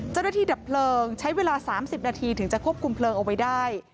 ดับเพลิงใช้เวลา๓๐นาทีถึงจะควบคุมเพลิงเอาไว้ได้